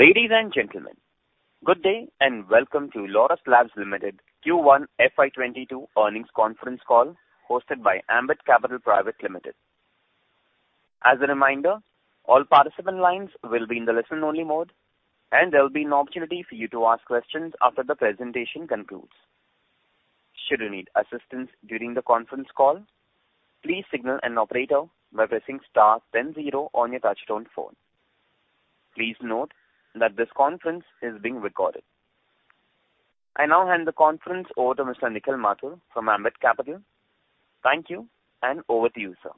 Ladies and gentlemen, good day and welcome to Laurus Labs Limited Q1 FY 2022 earnings conference call hosted by Ambit Capital Private Limited. As a reminder, all participant lines will be in the listen only mode, and there will be an opportunity for you to ask questions after the presentation concludes. Should you need assistance during the conference call, please signal an operator by pressing star then zero on your touchtone phone. Please note that this conference is being recorded. I now hand the conference over to Mr. Nikhil Mathur from Ambit Capital. Thank you, and over to you, sir.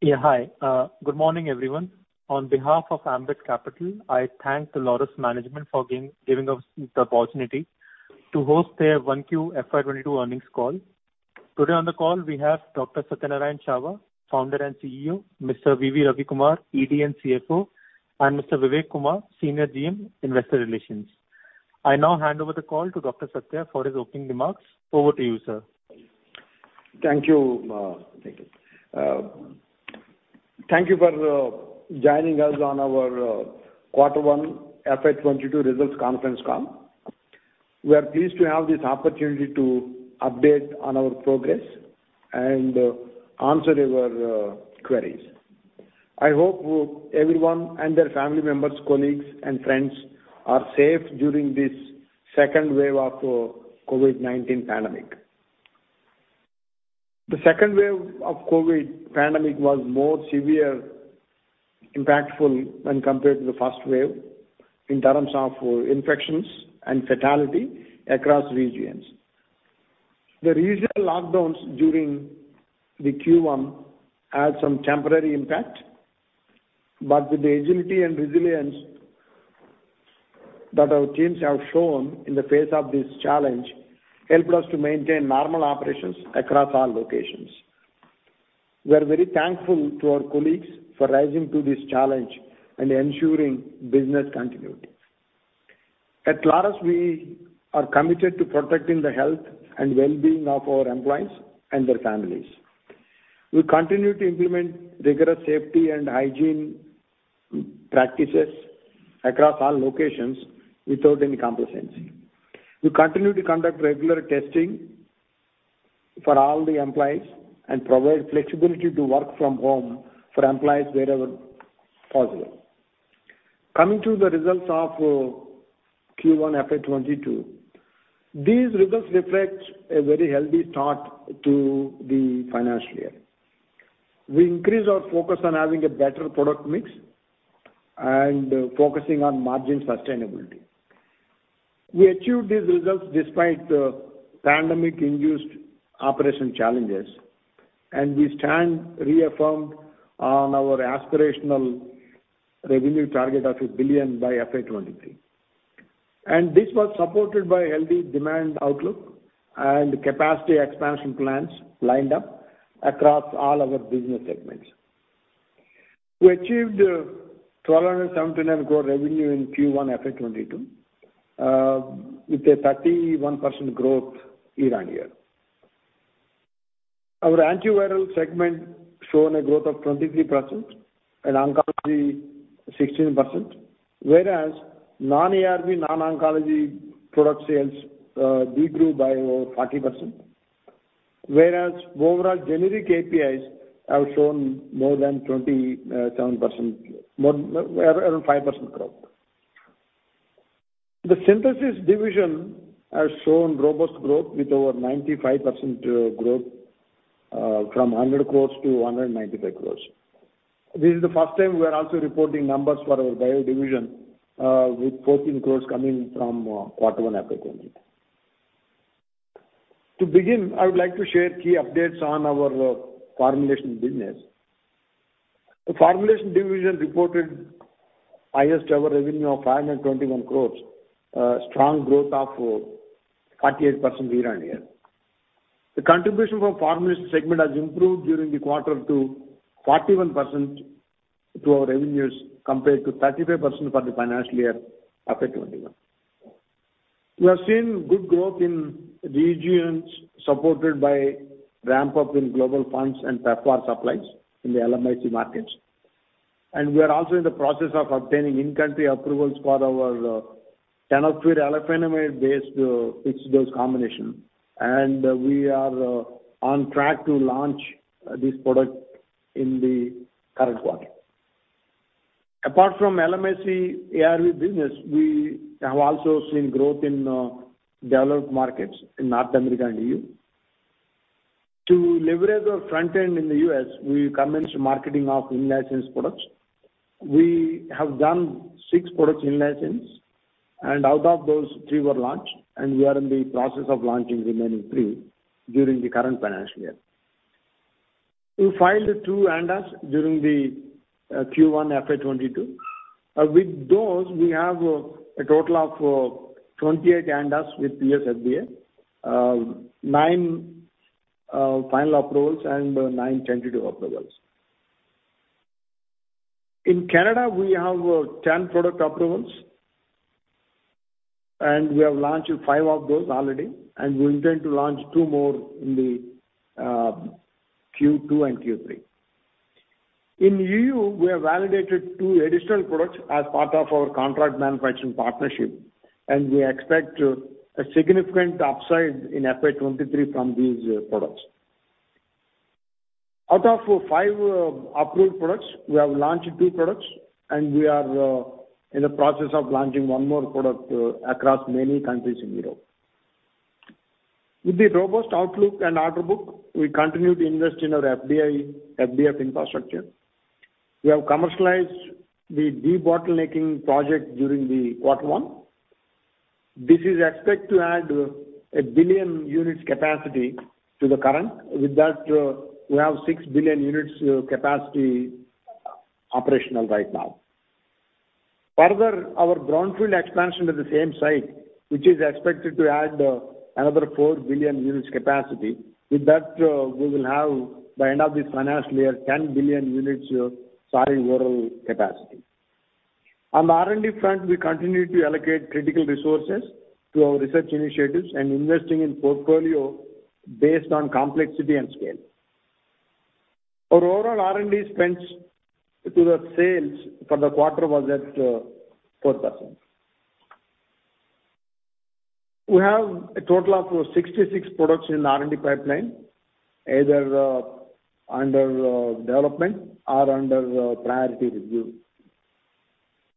Yeah, hi. Good morning, everyone. On behalf of Ambit Capital, I thank the Laurus management for giving us the opportunity to host their 1Q FY 2022 earnings call. Today on the call we have Dr. Satyanarayana Chava, Founder and CEO, Mr. V.V. Ravi Kumar, ED and CFO, and Mr. Vivek Kumar, Senior GM, Investor Relations. I now hand over the call to Dr. Satya for his opening remarks. Over to you, sir. Thank you. Thank you for joining us on our Q1 FY 2022 results conference call. We are pleased to have this opportunity to update on our progress and answer your queries. I hope everyone and their family members, colleagues, and friends are safe during this second wave of COVID-19 pandemic. The second wave of COVID pandemic was more severe, impactful when compared to the first wave in terms of infections and fatality across regions. The regional lockdowns during the Q1 had some temporary impact, but with the agility and resilience that our teams have shown in the face of this challenge helped us to maintain normal operations across all locations. We are very thankful to our colleagues for rising to this challenge and ensuring business continuity. At Laurus, we are committed to protecting the health and well-being of our employees and their families. We continue to implement rigorous safety and hygiene practices across all locations without any complacency. We continue to conduct regular testing for all the employees and provide flexibility to work from home for employees wherever possible. Coming to the results of Q1 FY 2022, these results reflect a very healthy start to the financial year. We increase our focus on having a better product mix and focusing on margin sustainability. We achieved these results despite the pandemic-induced operation challenges. We stand reaffirmed on our aspirational revenue target of 1 billion by FY 2023. This was supported by healthy demand outlook and capacity expansion plans lined up across all our business segments. We achieved 1,279 crore revenue in Q1 FY 2022, with a 31% growth year-on-year. Our antiviral segment shown a growth of 23% and oncology 16%. Whereas non-ARV, non-oncology product sales, decreased by over 40%. Whereas overall generic APIs have shown more than 27%, around 5% growth. The Synthesis division has shown robust growth with over 95% growth from 100 crores-195 crores. This is the first time we are also reporting numbers for our Bio division with 14 crores coming from quarter one FY 2022. To begin, I would like to share key updates on our formulation business. The formulation division reported highest ever revenue of 521 crores, a strong growth of 48% year-on-year. The contribution from formulation segment has improved during the quarter to 41% to our revenues compared to 35% for the financial year FY 2021. We have seen good growth in regions supported by ramp-up in global funds and stockpile supplies in the LMIC markets. We are also in the process of obtaining in-country approvals for our tenofovir alafenamide-based fixed-dose combination, and we are on track to launch this product in the current quarter. Apart from LMIC ARV business, we have also seen growth in developed markets in North America and EU. To leverage our front end in the U.S., we commenced marketing of in-license products. We have done six products in-license, and out of those three were launched, and we are in the process of launching remaining three during the current financial year. We filed two ANDAs during the Q1 FY 2022. With those, we have a total of 28 ANDAs with U.S. FDA, nine final approvals and nine tentative approvals. In Canada, we have 10 product approvals. We have launched five of those already, and we intend to launch two more in the Q2 and Q3. In EU, we have validated two additional products as part of our contract manufacturing partnership, and we expect a significant upside in FY 2023 from these products. Out of five approved products, we have launched two products, and we are in the process of launching one more product across many countries in Europe. With the robust outlook and order book, we continue to invest in our FDF infrastructure. We have commercialized the debottlenecking project during the Q1. This is expected to add 1 billion units capacity to the current. With that, we have 6 billion units capacity operational right now. Further, our brownfield expansion to the same site, which is expected to add another 4 billion units capacity. With that, we will have by end of this financial year, 10 billion units of solid oral capacity. On the R&D front, we continue to allocate critical resources to our research initiatives and investing in portfolio based on complexity and scale. Our overall R&D spends to the sales for the quarter was at 4%. We have a total of 66 products in the R&D pipeline, either under development or under priority review,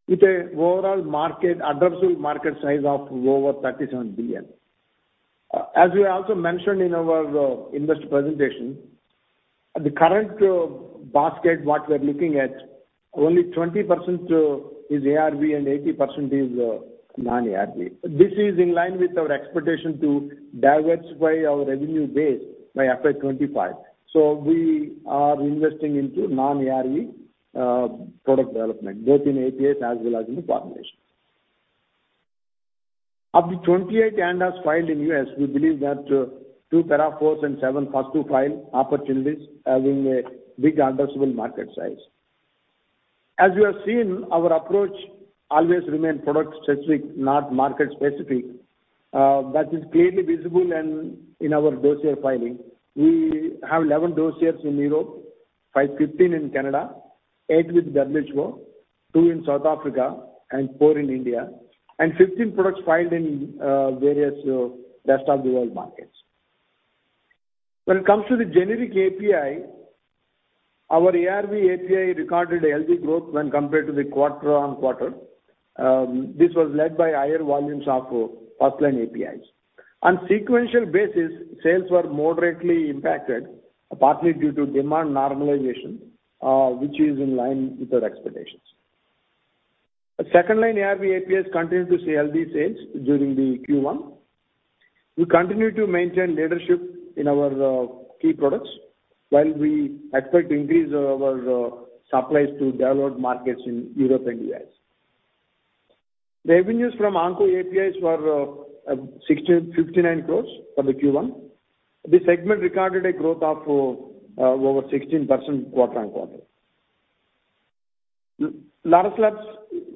with an overall addressable market size of over 37 billion. As we also mentioned in our invest presentation, the current basket what we are looking at, only 20% is ARV and 80% is non-ARV. This is in line with our expectation to de-risk our revenue base by FY25. We are investing into non-ARV product development, both in APIs as well as in the formulation. Of the 28 ANDAs filed in U.S., we believe that two para IVs and seven first-to-file opportunities having a big addressable market size. As you have seen, our approach always remain product-specific, not market-specific. That is clearly visible in our dossier filing. We have 11 dossiers in Europe, 15 in Canada, eight with WHO, two in South Africa, and four in India, and 15 products filed in various rest of the world markets. When it comes to the generic API, our ARV API recorded a healthy growth when compared to the quarter-on-quarter. This was led by higher volumes of first-line APIs. On sequential basis, sales were moderately impacted, partly due to demand normalization, which is in line with our expectations. Second-line ARV APIs continued to see healthy sales during the Q1. We continue to maintain leadership in our key products while we expect increase our supplies to developed markets in Europe and U.S. The revenues from onco APIs were 59 crores for the Q1. This segment recorded a growth of over 16% quarter-on-quarter. Laurus Labs,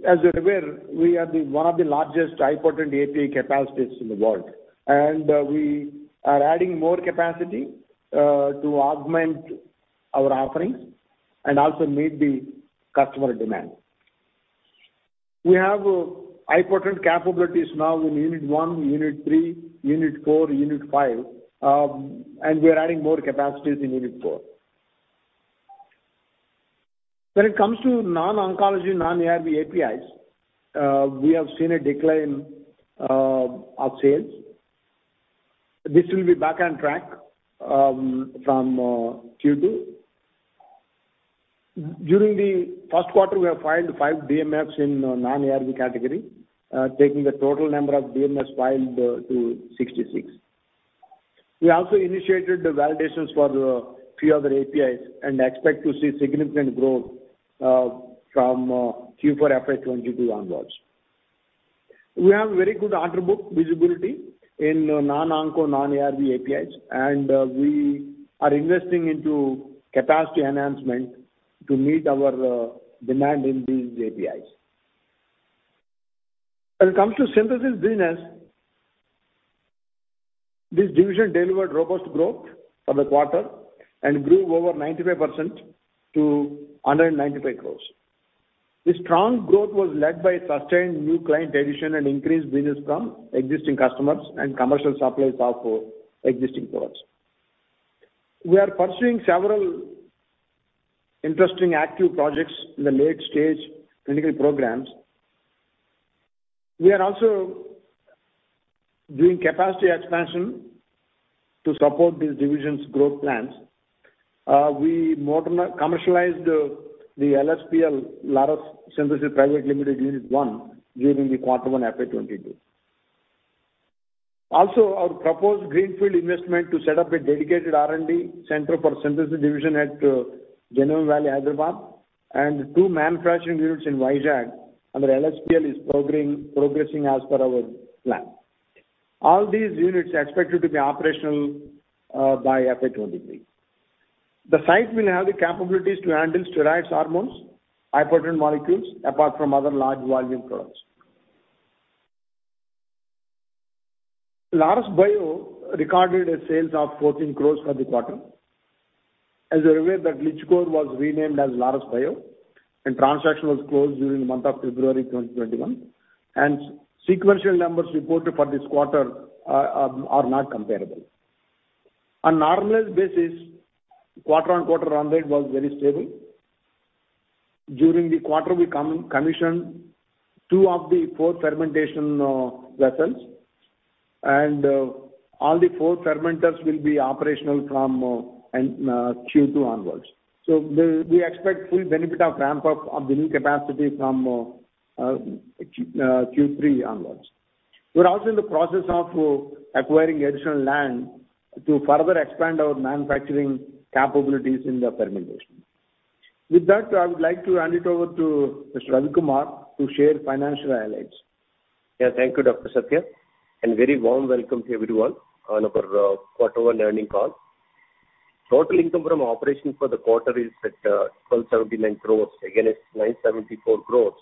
as you're aware, we are one of the largest high-potent API capacities in the world, and we are adding more capacity to augment our offerings and also meet the customer demand. We have high-potent capabilities now in unit one, unit three, unit four, unit five, and we are adding more capacities in unit four. When it comes to non-oncology, non-ARV APIs, we have seen a decline of sales. This will be back on track from Q2. During the Q1, we have filed five DMFs in non-ARV category, taking the total number of DMFs filed to 66. We also initiated validations for few other APIs and expect to see significant growth from Q4 FY 2022 onwards. We have very good order book visibility in non-onco, non-ARV APIs, and we are investing into capacity enhancement to meet our demand in these APIs. When it comes to synthesis business, this division delivered robust growth for the quarter and grew over 95% to 195 crores. This strong growth was led by sustained new client addition and increased business from existing customers and commercial supplies of existing products. We are pursuing several interesting active projects in the late-stage clinical programs. We are also doing capacity expansion to support this division's growth plans. We commercialized the LSPL, Laurus Synthesis Private Limited unit one during the quarter one FY 2022. Also, our proposed greenfield investment to set up a dedicated R&D center for synthesis division at Genome Valley, Hyderabad, and two manufacturing units in Vizag under LSPL is progressing as per our plan. All these units are expected to be operational by FY 2023. The site will have the capabilities to handle steroidal hormones, highly potent molecules, apart from other large volume products. Laurus Bio recorded a sales of 14 crores for the quarter. As you're aware that Richcore was renamed as Laurus Bio, transaction was closed during the month of February 2021. Sequential numbers reported for this quarter are not comparable. On normalized basis, quarter-on-quarter run rate was very stable. During the quarter we commissioned two of the four fermentation vessels all the four fermenters will be operational from Q2 onwards. We expect full benefit of ramp up of the new capacity from Q3 onwards. We're also in the process of acquiring additional land to further expand our manufacturing capabilities in the fermentation. With that, I would like to hand it over to Mr. Ravi Kumar to share financial highlights. Yes, thank you, Dr. Satyanarayana Chava, and very warm welcome to everyone on our Q1 earnings call. Total income from operations for the quarter is at 1,279 crores against 974 crores,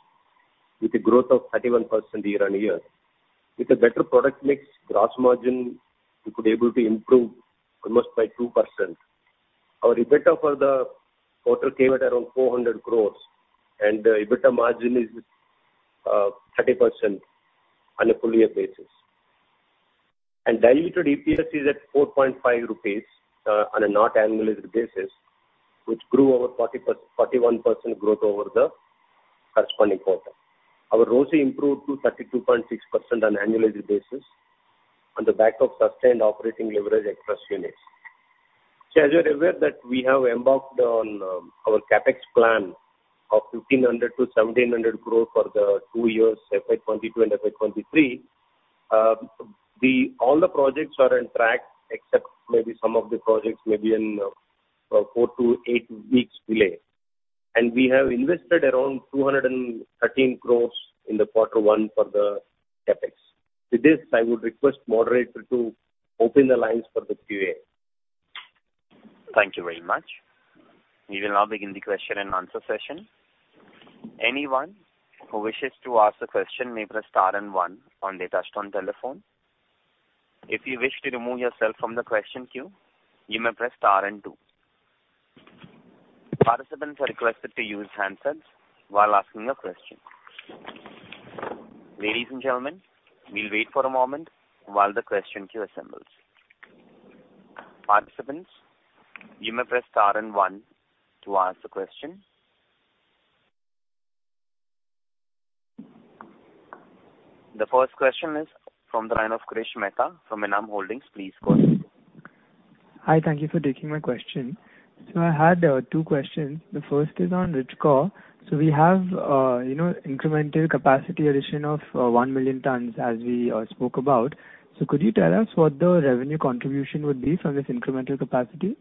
with a growth of 31% year-on-year. With a better product mix, gross margin, we could able to improve almost by 2%. Our EBITDA for the quarter came at around 400 crores. EBITDA margin is 30% on a full year basis. Diluted EPS is at 4.5 rupees on a not annualized basis, which grew over 41% growth over the corresponding quarter. Our ROCE improved to 32.6% on annualized basis on the back of sustained operating leverage at across units. As you're aware that we have embarked on our CapEx plan of 1,500 crore-1,700 crore for the two years FY 2022 and FY 2023. All the projects are on track except maybe some of the projects may be in four-eight weeks delay. We have invested around 213 crore in the Q1 for the CapEx. With this, I would request moderator to open the lines for the Q&A. Thank you very much. We will now begin the question-and-answer session. Anyone who wishes to ask a question may press star then one on the touch tone telephone. If you wish to remove yourself from the question queue, you may press star then two. Participants are requested to use handsets to ask another question press star then one. Ladies and gentlemen, we wait for a moment while the question queue assembles. The first question is from the line of Kanishk Mehta from Edelweiss. Please go ahead. Hi, thank you for taking my question. I had two questions. The first is on Richcore. We have incremental capacity addition of 1 million tons as we spoke about. Could you tell us what the revenue contribution would be from this incremental capacity?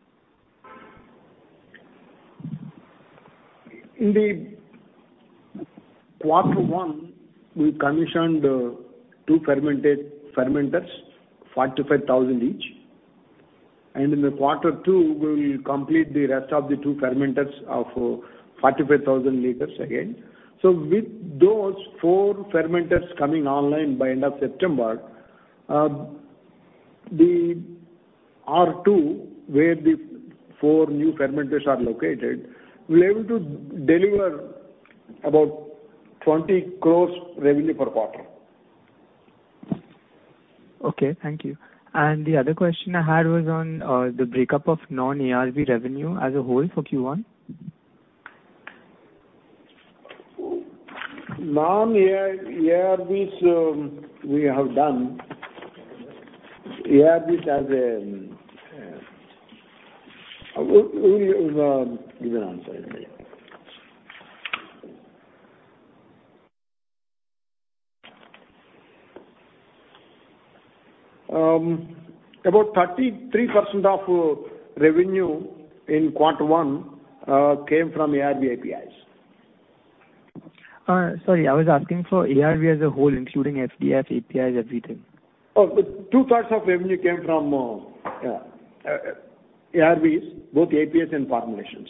In the Q1, we commissioned two fermenters, 45,000 each, and in the Q2, we will complete the rest of the two fermenters of 45,000 L again. With those four fermenters coming online by end of September, the R2 where the four new fermenters are located, we're able to deliver about 20 crores revenue per quarter. Okay, thank you. The other question I had was on the breakup of non-ARV revenue as a whole for Q1. Non-ARVs we have done. ARVs, we will give an answer. About 33% of revenue in Q1 came from ARV APIs. Sorry, I was asking for ARV as a whole, including FDF, APIs, everything. Oh, the two-thirds of revenue came from ARVs, both APIs and formulations.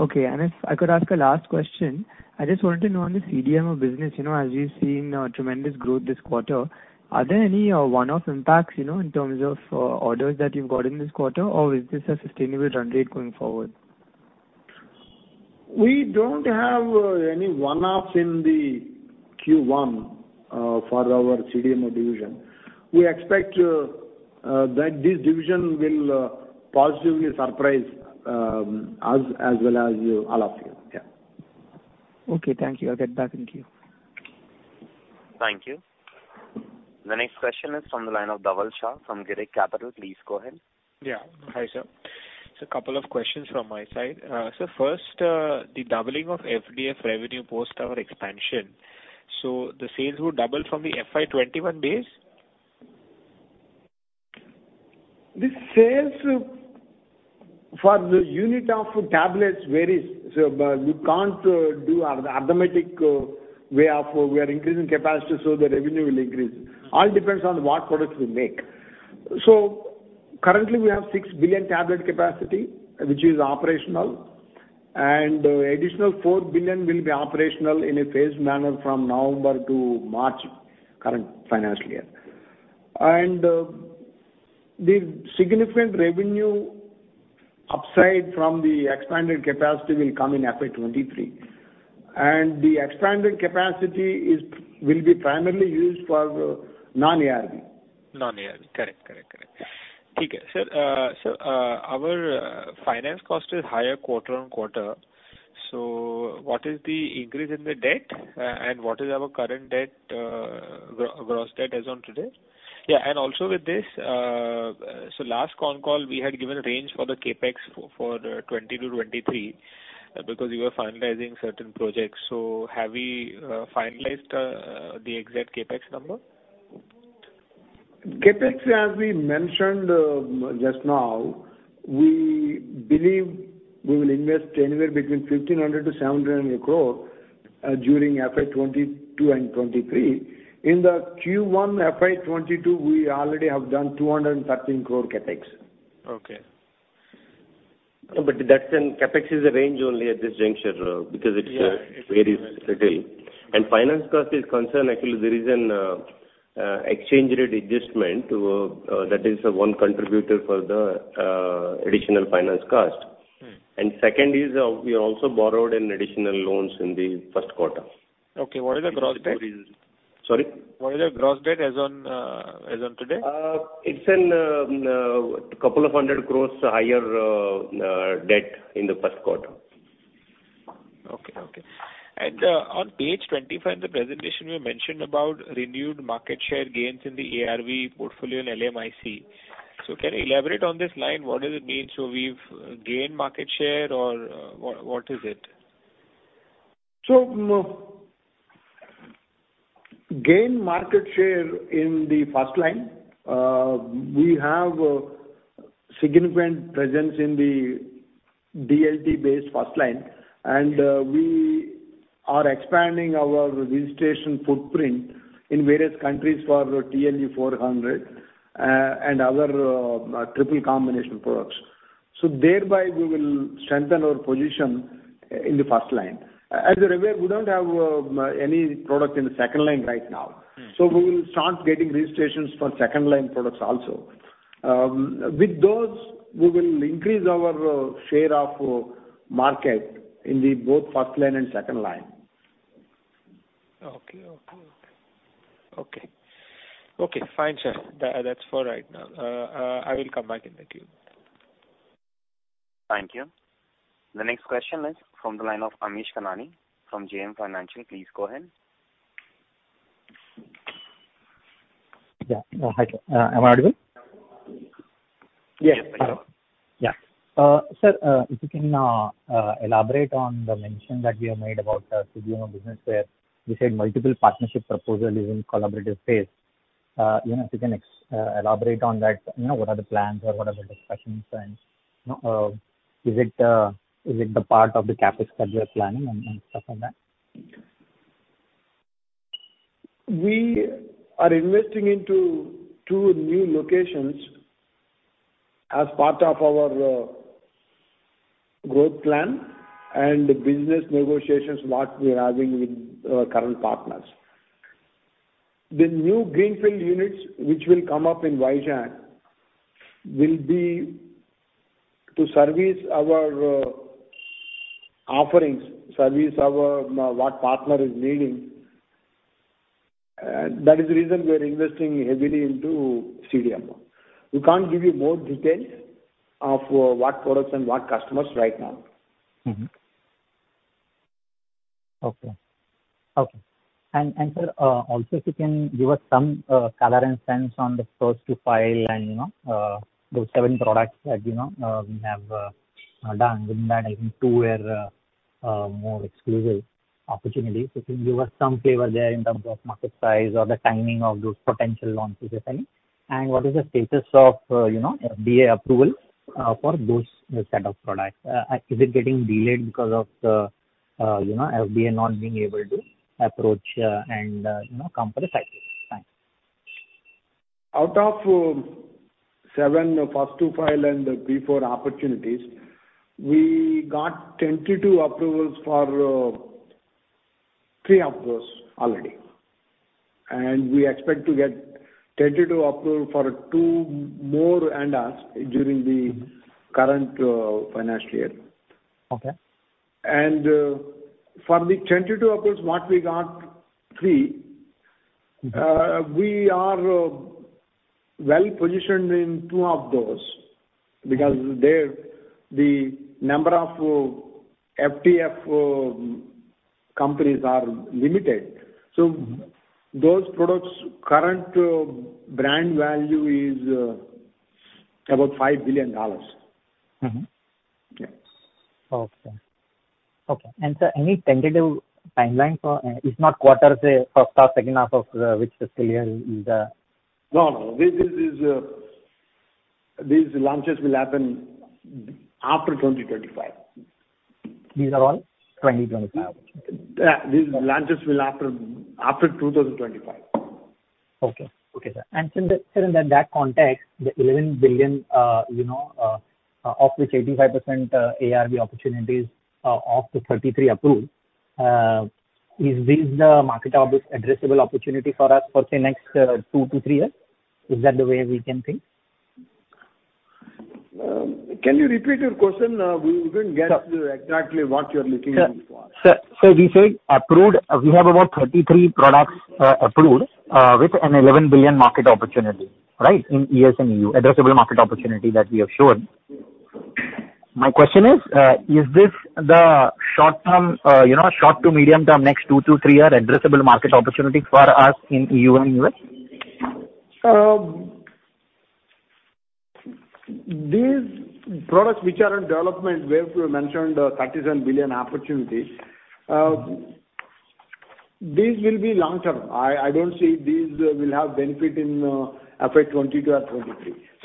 Okay, if I could ask a last question. I just wanted to know on the CDMO business, as we've seen tremendous growth this quarter, are there any one-off impacts in terms of orders that you've got in this quarter, or is this a sustainable run rate going forward? We don't have any one-offs in the Q1 for our CDMO division. We expect that this division will positively surprise us as well as all of you. Yeah. Okay, thank you. I'll get back in queue. Thank you. The next question is from the line of Dhaval Shah from Girik Capital. Please go ahead. Yeah. Hi, sir. Couple of questions from my side. Sir, first, the doubling of FDF revenue post our expansion. The sales would double from the FY 2021 base? The sales for the unit of tablets varies, so you can't do the arithmetic. We are increasing capacity so the revenue will increase. All depends on what products we make. Currently, we have 6 billion tablet capacity, which is operational, and additional 4 billion will be operational in a phased manner from November to March, current financial year. The significant revenue upside from the expanded capacity will come in FY 2023. The expanded capacity will be primarily used for non-ARV. Non-ARV. Correct. Okay. Sir, our finance cost is higher quarter-on-quarter. What is the increase in the debt and what is our current gross debt as on today? Yeah, also with this, last con call, we had given a range for the CapEx for 20-23, because you were finalizing certain projects. Have we finalized the exact CapEx number? CapEx, as we mentioned just now, we believe we will invest anywhere between 1,500 crore to 1,700 crore during FY 2022 and 2023. In the Q1 FY 2022, we already have done 213 crore CapEx. Okay. That's in CapEx is a range only at this juncture because it varies. Finance cost is concerned, actually there is an exchange rate adjustment that is one contributor for the additional finance cost. Second is, we also borrowed additional loans in the Q1. Okay. What is the gross debt? Sorry? What is the gross debt as on today? It's 200 crores higher debt in the Q1. Okay. On page 25 in the presentation, you mentioned about renewed market share gains in the ARV portfolio and LMIC. Can you elaborate on this line? What does it mean? We've gained market share or what is it? Gain market share in the first line. We have a significant presence in the TLD-based first line, and we are expanding our registration footprint in various countries for TLD 400 and other triple combination products. Thereby, we will strengthen our position in the first line. As you're aware, we don't have any product in the second line right now. We will start getting registrations for second-line products also. With those, we will increase our share of market in the both first line and second line. Okay. Fine, sir. That is for right now. I will come back in the queue. Thank you. The next question is from the line of Amish Kanani from JM Financial. Please go ahead. Yeah. Hi. Am I audible? Yes. Yeah. Sir, if you can elaborate on the mention that you have made about CDMO business where you said multiple partnership proposal is in collaborative phase. If you can elaborate on that, what are the plans or what are the discussions and is it the part of the CapEx that you're planning and stuff like that? We are investing into two new locations as part of our growth plan and business negotiations, what we're having with our current partners. The new greenfield units, which will come up in Vizag, will be to service our offerings, service what partner is needing. That is the reason we are investing heavily into CDMO. We can't give you more details of what products and what customers right now. Mm-hmm. Okay. Sir, also if you can give us some color and sense on the first to file and those seven products that we have done within that, I think two were more exclusive opportunities. If you can give us some flavor there in terms of market size or the timing of those potential launches, if any. What is the status of FDA approval for those set of products? Is it getting delayed because of FDA not being able to approach and come for the site? Thanks. Out of seven first-to-file and P4 opportunities, we got tentative approvals for three of those already. We expect to get tentative approval for two more ANDAs during the current financial year. Okay. For the tentative approvals, what we got, three. We are well-positioned in two of those because there the number of FTF companies are limited. Those products' current brand value is about $5 billion. Yeah. Okay. Sir, any tentative timeline for, if not quarters, say H1, H2 of which fiscal year is? No, this is. These launches will happen after 2025. These are all 2025? These launches will happen after 2025. Okay, sir. In that context, the $11 billion, of which 85% ARV opportunity is of the 33 approved, is this the market addressable opportunity for us for, say, next two-three years? Is that the way we can think? Can you repeat your question? We didn't get exactly what you're looking for. Sir, you said approved. We have about 33 products approved with an $11 billion market opportunity, right? In U.S. and EU. Addressable market opportunity that we have shown. My question is this the short to medium term, next two-to-three-year addressable market opportunity for us in EU and U.S.? These products which are in development, where you mentioned 37 billion opportunity, these will be long-term. I don't see these will have benefit in FY 2022 or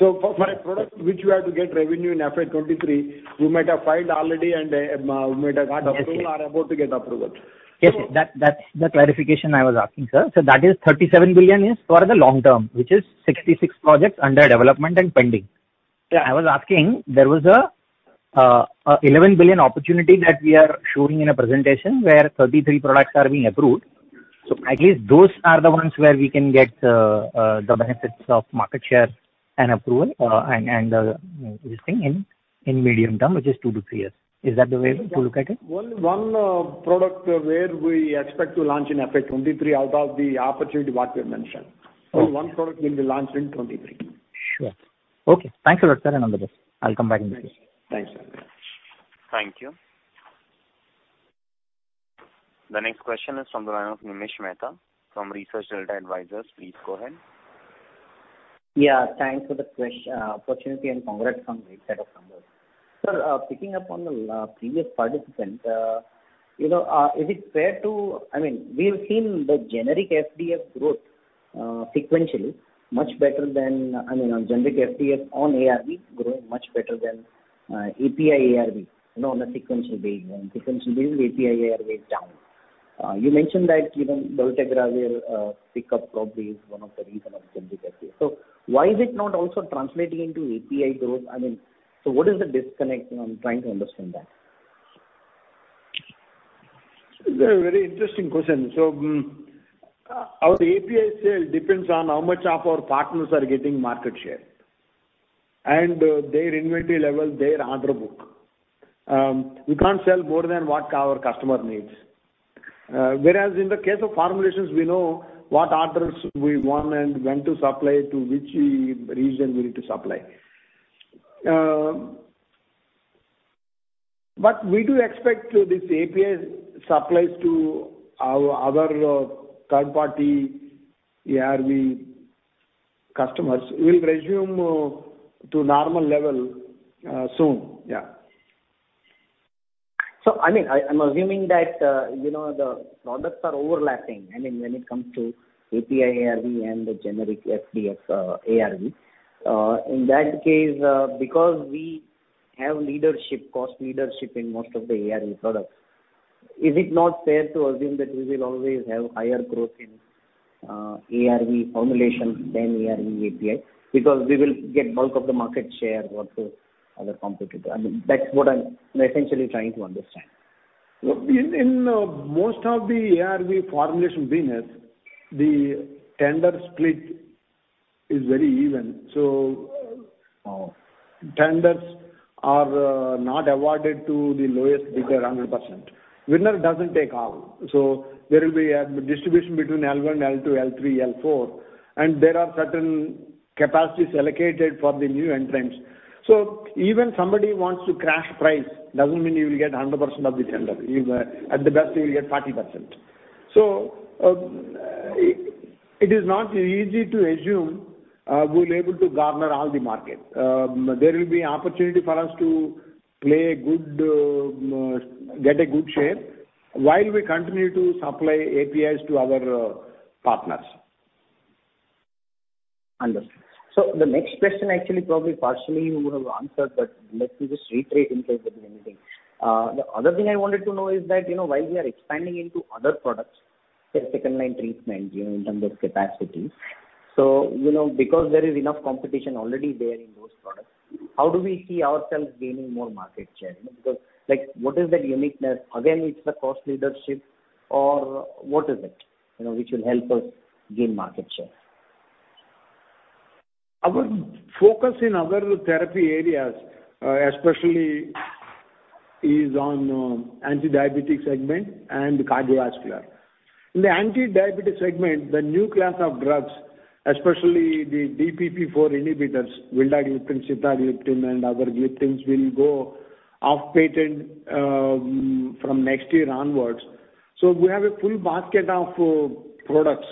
2023. For my product, which we have to get revenue in FY 2023, we might have filed already and we might have got approval or about to get approval. Yes, sir. That's the clarification I was asking, sir. That is $37 billion is for the long-term, which is 66 projects under development and pending. I was asking, there was a $11 billion opportunity that we are showing in a presentation where 33 products are being approved. At least those are the ones where we can get the benefits of market share and approval and this thing in medium term, which is two-three years. Is that the way to look at it? Only one product where we expect to launch in FY 2023 out of the opportunity what we have mentioned. Okay. One product will be launched in 2023. Sure. Okay. Thanks a lot, sir, and all the best. I'll come back in case. Thanks, sir. Thank you. The next question is from the line of Nimish Mehta from Research Delta Advisors. Please go ahead. Yeah, thanks for the opportunity and congrats on great set of numbers. Sir, picking up on the previous participant, we've seen the generic FDF growth sequentially much better than, generic FDF on ARV growing much better than API ARV on a sequential basis. Sequentially, API ARV is down. You mentioned that even dolutegravir pick up probably is one of the reason of generic FDF. Why is it not also translating into API growth? What is the disconnect? I'm trying to understand that. It's a very interesting question. Our API sale depends on how much of our partners are getting market share, and their inventory level, their order book. We can't sell more than what our customer needs. Whereas in the case of formulations, we know what orders we won and when to supply to which region we need to supply. We do expect this API supplies to our third-party ARV customers will resume to normal level soon. Yeah. I'm assuming that the products are overlapping, when it comes to API ARV and the generic FDF ARV. In that case, because we have cost leadership in most of the ARV products, is it not fair to assume that we will always have higher growth in ARV formulation than ARV API? Because we will get bulk of the market share versus other competitor. That's what I'm essentially trying to understand. In most of the ARV formulation business, the tender split is very even. Tenders are not awarded to the lowest bidder 100%. Winner doesn't take all. There will be a distribution between L1, L2, L3, L4, and there are certain capacities allocated for the new entrants. Even somebody wants to crash price, doesn't mean you will get 100% of the tender. At the best, you will get 40%. It is not easy to assume we'll able to garner all the market. There will be opportunity for us to get a good share while we continue to supply APIs to our partners. Understood. The next question actually probably partially you would have answered, but let me just reiterate in case you didn't. The other thing I wanted to know is that, while we are expanding into other products, say, second-line treatment in terms of capacities. Because there is enough competition already there in those products, how do we see ourselves gaining more market share? Because, what is that uniqueness? Again, it's the cost leadership or what is it which will help us gain market share? Our focus in other therapy areas, especially is on anti-diabetes segment and cardiovascular. In the anti-diabetes segment, the new class of drugs, especially the DPP-4 inhibitors, vildagliptin, sitagliptin, and other gliptins will go off patent from next year onwards. We have a full basket of products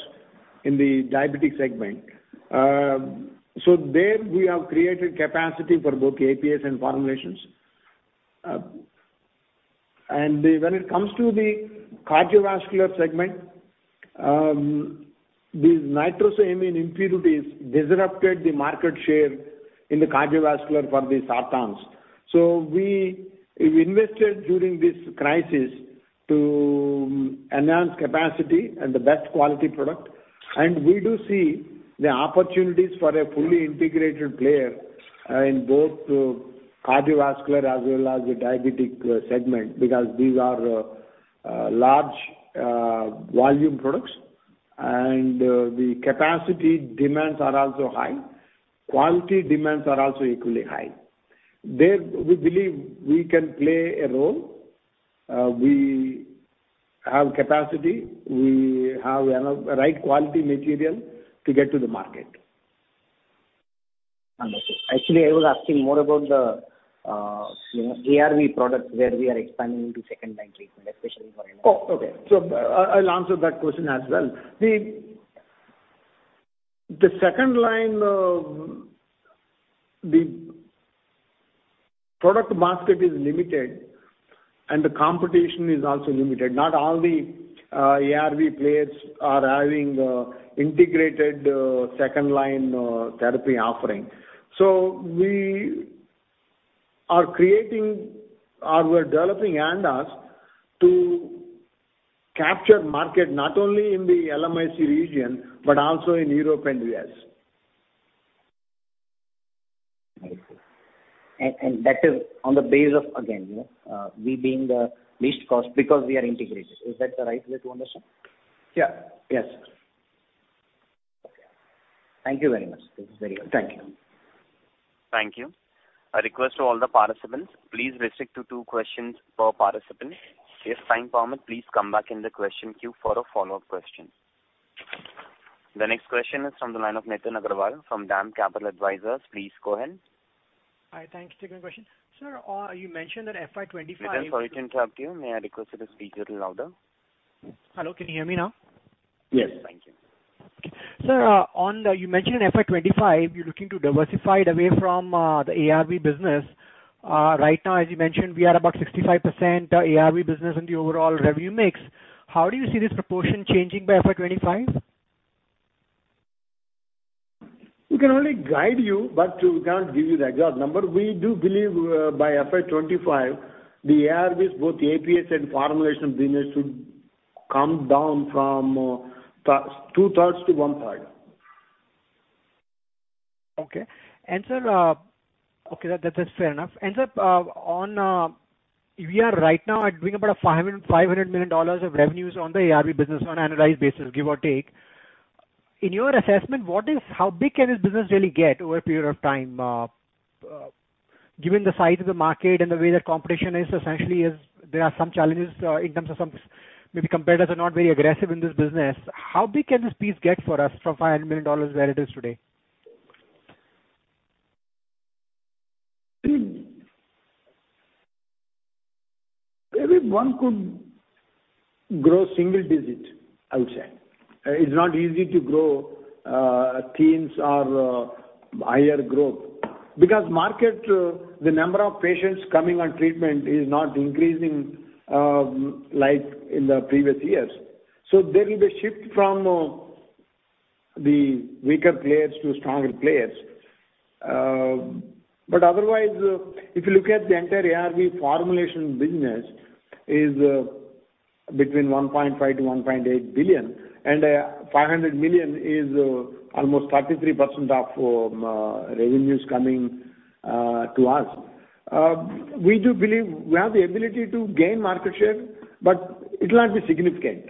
in the diabetic segment. There we have created capacity for both APIs and formulations. When it comes to the cardiovascular segment, these nitrosamine impurities disrupted the market share in the cardiovascular for the sartans. We invested during this crisis to enhance capacity and the best quality product. We do see the opportunities for a fully integrated player in both cardiovascular as well as the diabetic segment, because these are large volume products and the capacity demands are also high. Quality demands are also equally high. There, we believe we can play a role. We have capacity, we have the right quality material to get to the market. Understood. Actually, I was asking more about the ARV products where we are expanding into second-line treatment, especially for- I'll answer that question as well. The second line of the product basket is limited and the competition is also limited. Not all the ARV players are having integrated second-line therapy offering. We are creating or we're developing ANDAs to capture market not only in the LMIC region, but also in Europe and U.S. I see. That is on the base of, again, we being the least cost because we are integrated. Is that the right way to understand? Yeah. Yes. Okay. Thank you very much. This is very helpful. Thank you. Thank you. A request to all the participants, please restrict to two questions per participant. If time permit, please come back in the question queue for a follow-up question. The next question is from the line of Nitin Agarwal from DAM Capital Advisors. Please go ahead. Hi, thank you. To my question. Sir, you mentioned that FY 2025- Nitin, sorry to interrupt you. May I request you to speak a little louder? Hello, can you hear me now? Yes. Thank you. Okay. Sir, you mentioned in FY 2025, you're looking to diversify away from the ARV business. Right now, as you mentioned, we are about 65% ARV business in the overall revenue mix. How do you see this proportion changing by FY 2025? We can only guide you, but we cannot give you the exact number. We do believe by FY 2025, the ARVs, both the APIs and formulation business should come down from two-thirds to one-third. Okay. That's fair enough. Sir, we are right now at doing about INR 500 million of revenues on the ARV business on an annualized basis, give or take. In your assessment, how big can this business really get over a period of time? Given the size of the market and the way that competition is essentially is there are some challenges in terms of some, maybe competitors are not very aggressive in this business. How big can this piece get for us from INR 500 million, where it is today? Maybe one could grow single-digit, I would say. It's not easy to grow teens or higher growth because market, the number of patients coming on treatment is not increasing like in the previous years. There will be a shift from the weaker players to stronger players. Otherwise, if you look at the entire ARV formulation business is between 1.5 billion-1.8 billion and 500 million is almost 33% of revenues coming to us. We do believe we have the ability to gain market share, but it'll not be significant.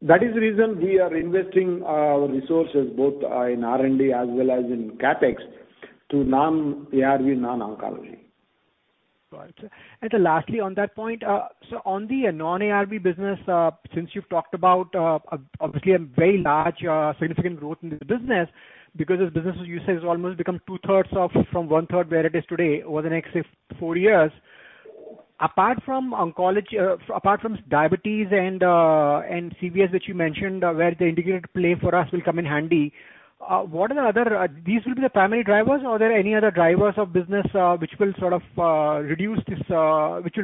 That is the reason we are investing our resources both in R&D as well as in CapEx to non-ARV, non-oncology. Got it, sir. Lastly, on that point, on the non-ARV business, since you've talked about obviously a very large significant growth in this business, because this business, as you said, has almost become two-thirds from one-third where it is today over the next, say, four years. Apart from diabetes and CV that you mentioned, where the integrated play for us will come in handy, these will be the primary drivers or are there any other drivers of business which will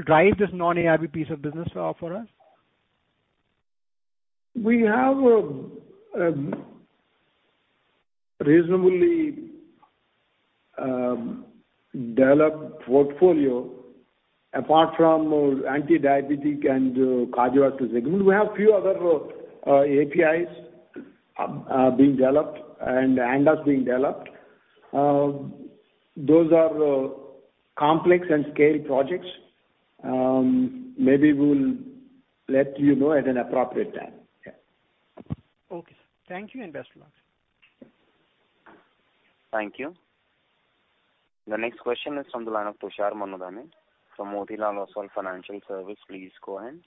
drive this non-ARV piece of business for us? We have a reasonably developed portfolio apart from anti-diabetic and cardiovascular segment. We have few other APIs being developed and ANDAs being developed. Those are complex and scale projects. Maybe we'll let you know at an appropriate time. Yeah. Okay, sir. Thank you, and best regards. Thank you. The next question is from the line of Tushar Manudhane from Motilal Oswal Financial Services. Please go ahead.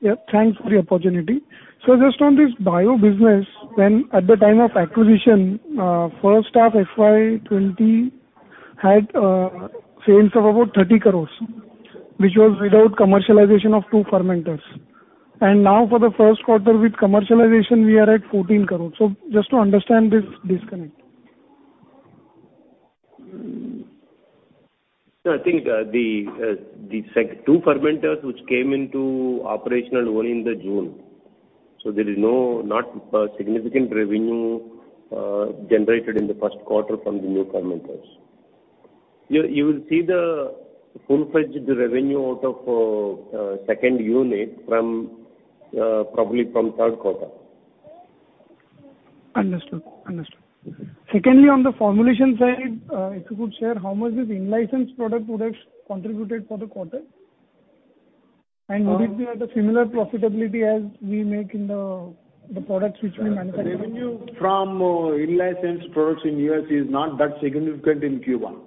Yeah, thanks for the opportunity. Just on this bio business, when at the time of acquisition, H1 FY 2020 had sales of about 30 crore. Which was without commercialization of two fermenters. Now for the Q1 with commercialization, we are at 14 crore. Just to understand this disconnect. I think the two fermenters, which came into operation only in the June. There is no significant revenue generated in the Q1 from the new fermenters. You will see the full-fledged revenue out of second unit probably from Q3. Understood. Secondly, on the formulation side, if you could share how much this in-licensed product would have contributed for the quarter. Would it be at a similar profitability as we make in the products which we manufacture? Revenue from in-licensed products in U.S. is not that significant in Q1.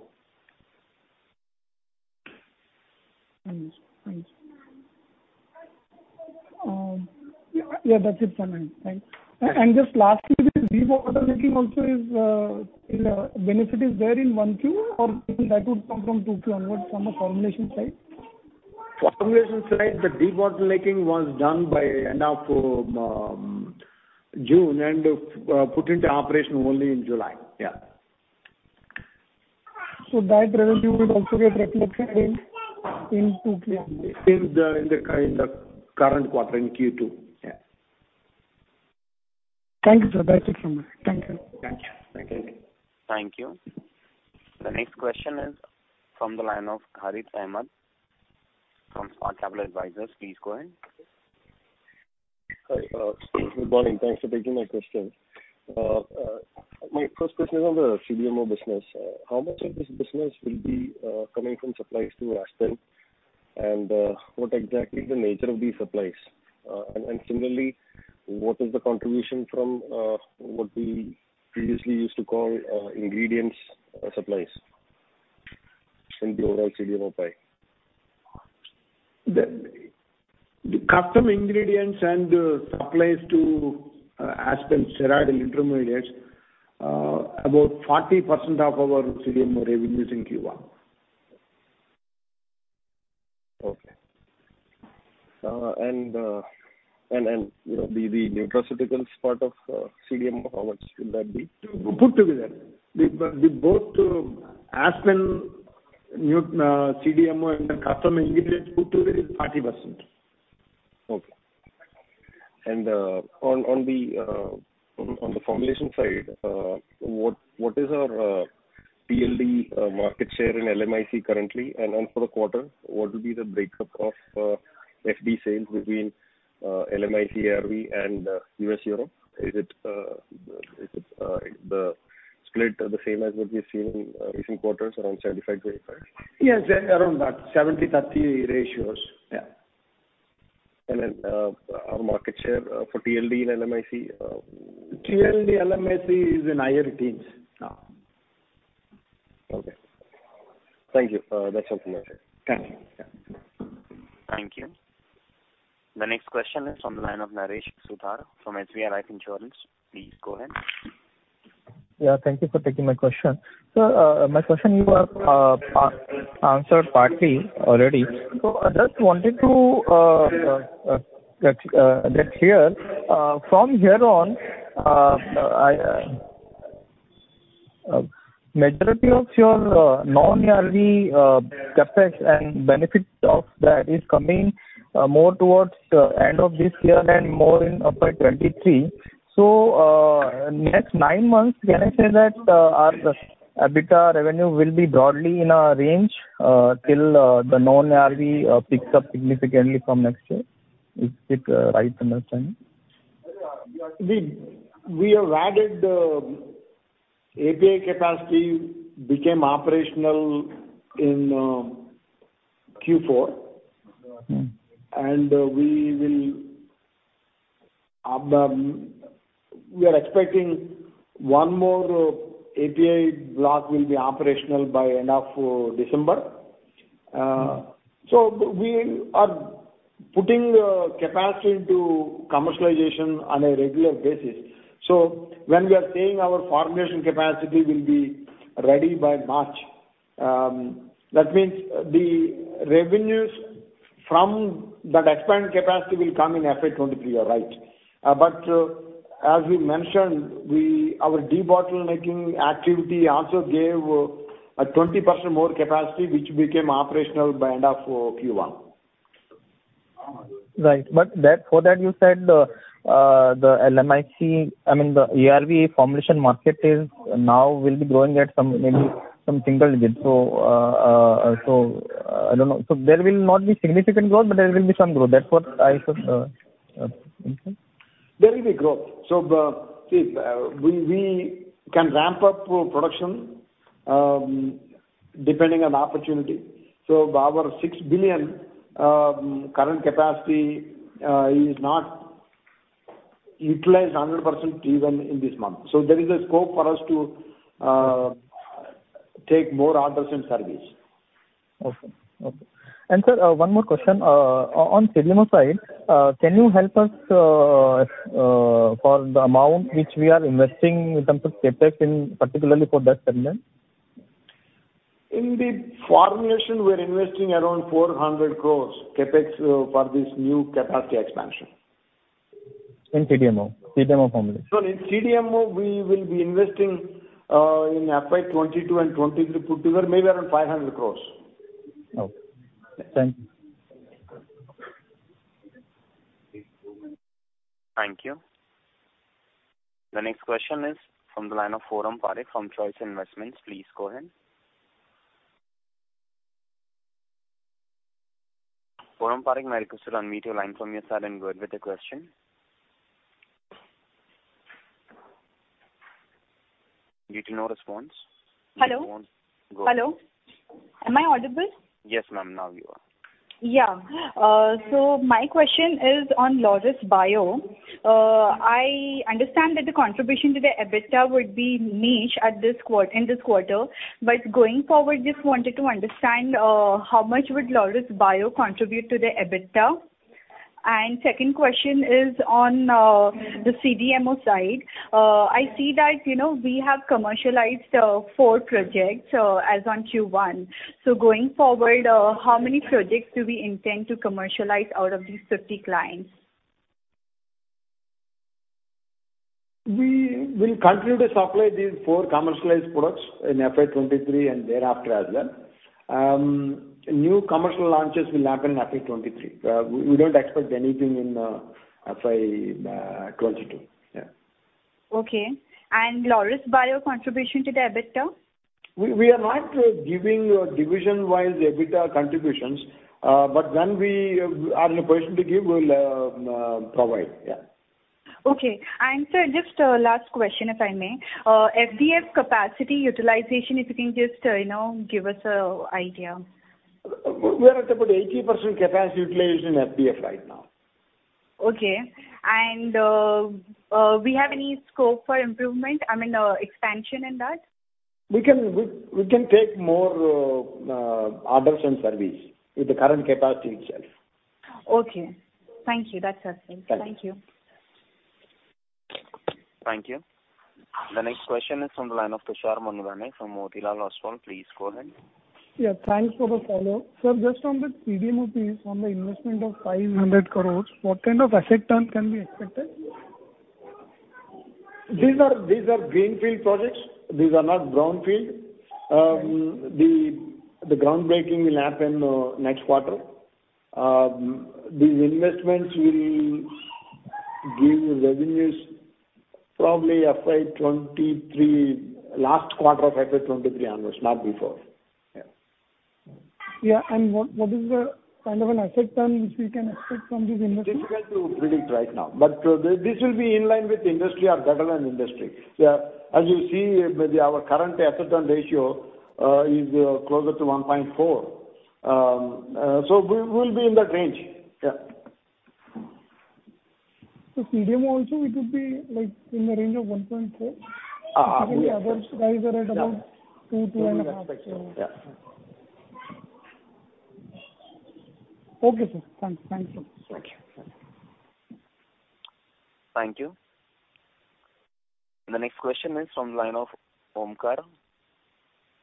Understood. Yeah, that's it from me. Thanks. Just lastly, this debottlenecking also, benefit is there in 1Q or that would come from 2Q onwards from the formulation side? Formulation side, the debottlenecking was done by end of June and put into operation only in July. Yeah. That revenue would also get reflected in 2Q only. In the current quarter, in Q2. Yeah. Thank you, sir. That's it from me. Thank you. Thank you. Thank you. The next question is from the line of Harit Ahmed from Spark Capital Advisors. Please go ahead. Hi. Good morning. Thanks for taking my question. My first question is on the CDMO business. How much of this business will be coming from supplies to Aspen? What exactly the nature of these supplies? Similarly, what is the contribution from what we previously used to call ingredients supplies in the overall CDMO pie? The custom ingredients and supplies to Aspen, steroid intermediates, about 40% of our CDMO revenues in Q1. Okay. The nutraceuticals part of CDMO, how much will that be? Put together. The both Aspen CDMO and the custom ingredients, put together is 40%. Okay. On the formulation side, what is our TLD market share in LMIC currently? For the quarter, what will be the breakup of FDF sales between LMIC, ARV, and U.S., Europe? Is it the split the same as what we've seen in recent quarters, around 75/25? Yes, around that, 70/30 ratios. Yeah. Our market share for TLD in LMIC? TLD LMIC is in higher teens. Okay. Thank you. That's all from my side. Thank you. Yeah. Thank you. The next question is from the line of Naresh Kumar from HDFC ERGO Insurance. Please go ahead. Yeah, thank you for taking my question. My question you have answered partly already. I just wanted to get clear. From here on, majority of your non-ARV CapEx and benefits of that is coming more towards the end of this year and more in FY 2023. Next nine months, can I say that our EBITDA revenue will be broadly in a range until the non-ARV picks up significantly from next year? Is it right understanding? We have added API capacity became operational in Q4. We are expecting one more API block will be operational by end of December. We are putting capacity into commercialization on a regular basis. When we are saying our formulation capacity will be ready by March, that means the revenues from that expanded capacity will come in FY 2023, you're right. As we mentioned, our debottlenecking activity also gave a 20% more capacity, which became operational by end of Q1. Right. For that, you said the LMIC, I mean the ARV formulation market now will be growing at maybe some single-digit. I don't know. There will not be significant growth, but there will be some growth. That's what I should understand. There will be growth. See, we can ramp up production depending on opportunity. Our 6 billion current capacity is not utilized 100% even in this month. There is a scope for us to take more orders and service. Okay. Sir, one more question. On CDMO side, can you help us for the amount which we are investing in terms of CapEx in particularly for that segment? In the formulation, we're investing around 400 crores CapEx for this new capacity expansion. In CDMO formulation? In CDMO, we will be investing in FY 2022 and FY 2023 put together, maybe around 500 crores. Okay. Thank you. Thank you. The next question is from the line of Porom Parekh from Choice Broking. Please go ahead. Porom Parekh, may I request you to unmute your line from your side and go ahead with the question? Due to no response. Hello. Go ahead. Hello. Am I audible? Yes, ma'am, now you are. My question is on Laurus Bio. I understand that the contribution to the EBITDA would be niche in this quarter. Going forward, just wanted to understand how much would Laurus Bio contribute to the EBITDA. Second question is on the CDMO side. I see that we have commercialized four projects as on Q1. Going forward, how many projects do we intend to commercialize out of these 50 clients? We will continue to supply these four commercialized products in FY 2023 and thereafter as well. New commercial launches will happen in FY 2023. We don't expect anything in FY 2022. Okay. Laurus Bio contribution to the EBITDA? We are not giving division-wise EBITDA contributions. When we are in a position to give, we'll provide. Okay. sir, just last question, if I may? FDF capacity utilization, if you can just give us an idea? We're at about 80% capacity utilization in FDF right now. Okay. Do we have any scope for improvement, I mean, expansion in that? We can take more orders and service with the current capacity itself. Okay. Thank you. That's all, sir. Thank you. Thank you. The next question is from the line of Tushar Manudhane from Motilal Oswal. Please go ahead. Yeah, thanks for the call. Sir, just on the CDMO piece, on the investment of 500 crores, what kind of asset turn can be expected? These are greenfield projects. These are not brownfield. Right. The groundbreaking will happen next quarter. These investments will give revenues probably last quarter of FY 2023 onwards, not before. Yeah. What is the kind of an asset turn which we can expect from this investment? Difficult to predict right now. This will be in line with industry or better than industry. As you see, maybe our current asset turn ratio is closer to 1.4. We will be in that range. CDMO also it would be in the range of 1.4? yes. I think the other guys are at about 2.5. Yeah. Okay, sir. Thanks. Thank you. Thank you. The next question is from the line of Omkar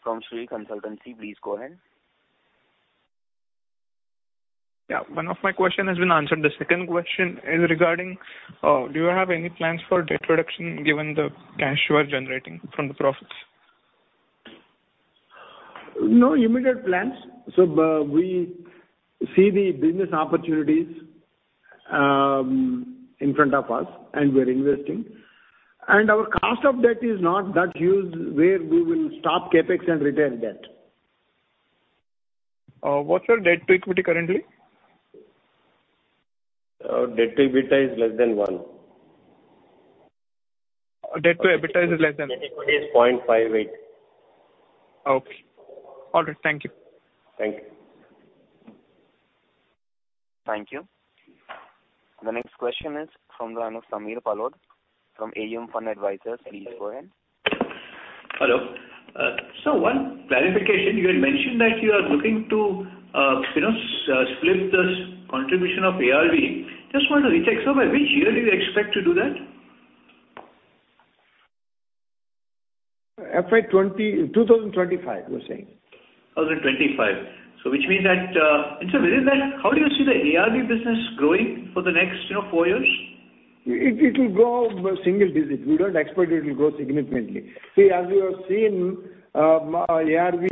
from Sri Consultancy. Please go ahead. Yeah. One of my question has been answered. The second question is regarding, do you have any plans for debt reduction given the cash you are generating from the profits? No immediate plans. We see the business opportunities in front of us, and we're investing. Our cost of debt is not that huge where we will stop CapEx and retain debt. What's your debt to equity currently? Our debt to EBITDA is less than one. Debt to EBITDA is less than. Debt to equity is 0.58. Okay. All right. Thank you. Thank you. Thank you. The next question is from the line of Samir Palod from AUM Fund Advisors. Please go ahead. Hello. One clarification, you had mentioned that you are looking to split this contribution of ARV. Just want to recheck, sir, by which year do you expect to do that? FY 2025, we're saying. 2025. Sir, within that, how do you see the ARV business growing for the next four years? It will grow by single-digit. We don't expect it will grow significantly. As you have seen, ARV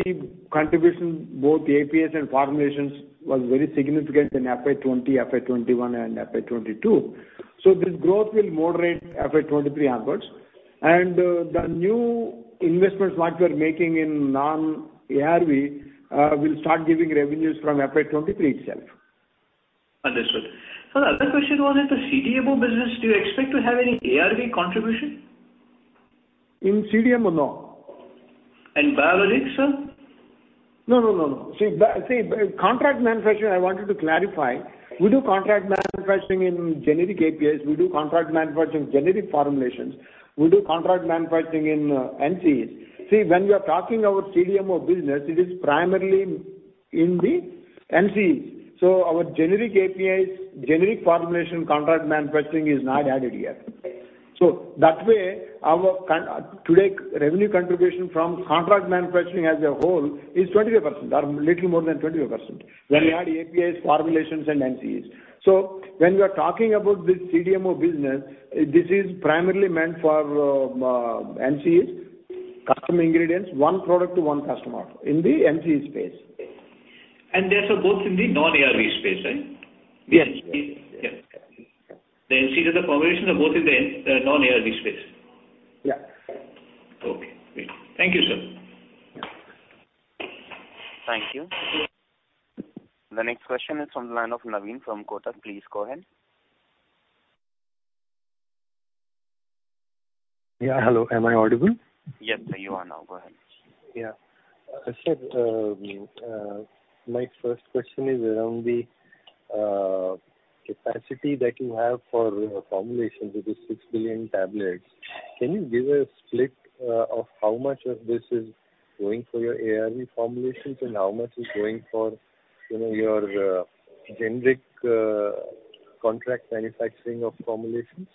contribution, both APIs and formulations, was very significant in FY 2020, FY 2021, and FY 2022. This growth will moderate FY 2023 onwards. The new investments, what we are making in non-ARV, will start giving revenues from FY 2023 itself. Understood. Sir, the other question was, in the CDMO business, do you expect to have any ARV contribution? In CDMO, no. Biologics, sir? No. See, contract manufacturing, I wanted to clarify. We do contract manufacturing in generic APIs. We do contract manufacturing generic formulations. We do contract manufacturing in NCEs. See, when we are talking about CDMO business, it is primarily in the NCEs. Our generic APIs, generic formulation contract manufacturing is not added yet. That way, our today revenue contribution from contract manufacturing as a whole is 23%, or little more than 23%, when we add APIs, formulations and NCEs. When we are talking about this CDMO business, this is primarily meant for NCEs, custom ingredients, one product to one customer in the NCE space. They are both in the non-ARV space, right? Yes. The NCEs and the formulations are both in the non-ARV space. Yeah. Okay, great. Thank you, sir. Thank you. The next question is from the line of Naveen from Kotak. Please go ahead. Yeah. Hello, am I audible? Yes, sir, you are now. Go ahead. Yeah. Sir, my first question is around the capacity that you have for formulations with the 6 billion tablets. Can you give a split of how much of this is going for your ARV formulations and how much is going for your generic contract manufacturing of formulations?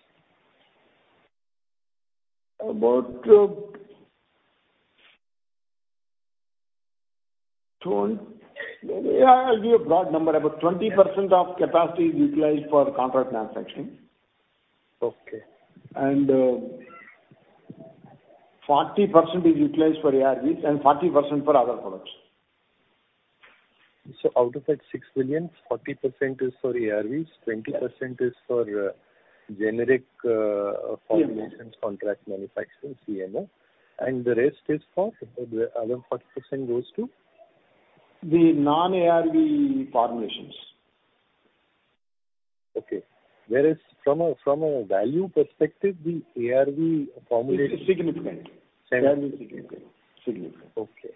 I'll give a broad number. About 20% of capacity is utilized for contract manufacturing. Okay. 40% is utilized for ARVs and 40% for other products. Out of that 6 billion, 40% is for ARVs, 20% is for. CMO. formulations contract manufacturing, CMO, and the rest is for? Other 40% goes to? The non-ARV formulations. Okay. Whereas from a value perspective, the ARV formulation- It is significant. Value significant. Significant. Okay.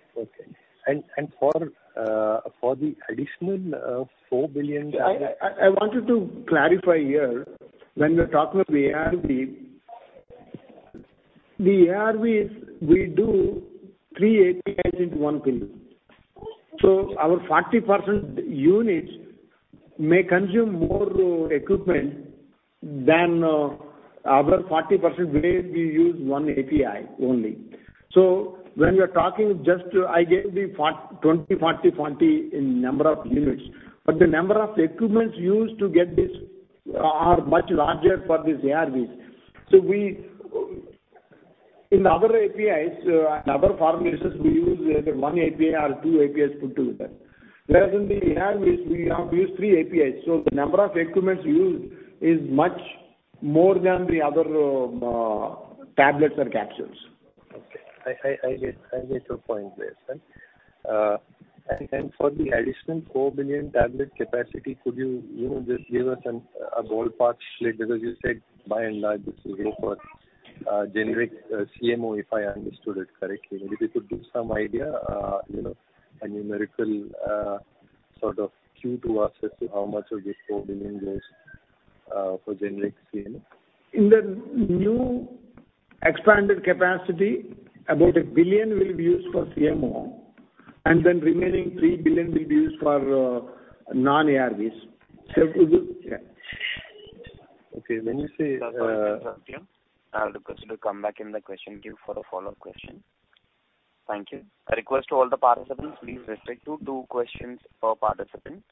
For the additional 4 billion. I wanted to clarify here, when we're talking of ARV, the ARVs, we do three APIs into one pill. Our 40% units may consume more equipment than our 40% where we use one API only. When we are talking just, I gave the 20/40/40 in number of units, but the number of equipments used to get this are much larger for these ARVs. In other APIs and other formulations, we use either one API or two APIs put together. Whereas in the ARVs, we have to use three APIs, so the number of equipments used is much more than the other tablets or capsules. Okay. I get your point there. For the additional 4 billion tablet capacity, could you just give us a ballpark split? You said by and large, this is for generic CMO, if I understood it correctly. Maybe you could give some idea, a numerical sort of cue to us as to how much of this 4 billion goes for generic CMO. In the new expanded capacity, about 1 billion will be used for CMO, and then remaining 3 billion will be used for non-ARVs. Okay. I'll request you to come back in the question queue for a follow-up question. Thank you. A request to all the participants, please restrict to two questions per participant.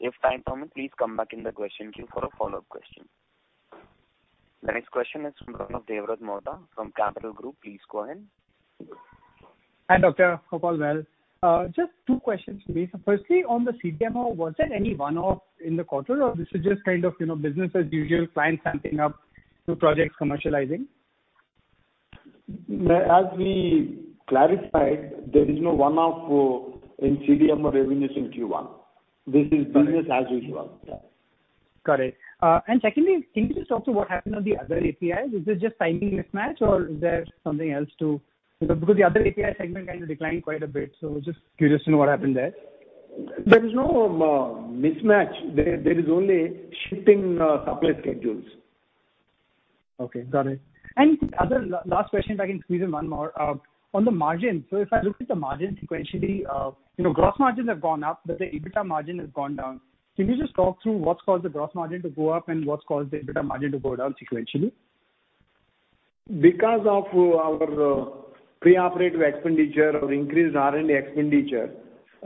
If time permits, please come back in the question queue for a follow-up question. The next question is from Devvrat Mohta from Capital Group. Please go ahead. Hi, Doctor. Hope all well. Just two questions for me. Firstly, on the CDMO, was there any one-off in the quarter, or this is just kind of business as usual, clients ramping up new projects commercializing? As we clarified, there is no one-off in CDMO revenues in Q1. This is business as usual. Got it. Secondly, can you just talk to what happened on the other APIs? Is this just timing mismatch or is there something else to The other API segment kind of declined quite a bit. Just curious to know what happened there. There is no mismatch. There is only shifting supply schedules. Okay, got it. Other last question, if I can squeeze in one more. On the margin. If I look at the margin sequentially, gross margins have gone up, but the EBITDA margin has gone down. Can you just talk through what's caused the gross margin to go up and what's caused the EBITDA margin to go down sequentially? Because of our pre-operative expenditure, our increased R&D expenditure,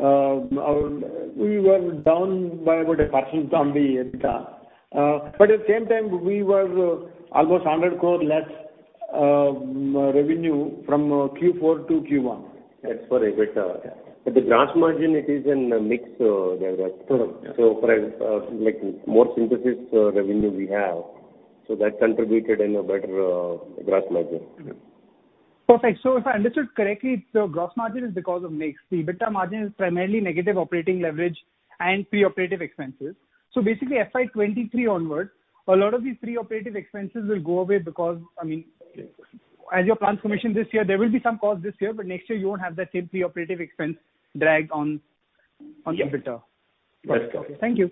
we were down by about 1% on the EBITDA. At the same time, we were almost 100 crore less revenue from Q4-Q1. That's for EBITDA. The gross margin, it is in mix there. Correct. For like more synthesis revenue we have. That contributed in a better gross margin. Correct. Perfect. If I understood correctly, so gross margin is because of mix. The EBITDA margin is primarily negative operating leverage and pre-operative expenses. Basically FY 2023 onwards, a lot of these pre-operative expenses will go away because, I mean, as your plants commission this year, there will be some cost this year, but next year you won't have that same pre-operative expense dragged on. Yeah. the EBITDA. That's correct. Thank you.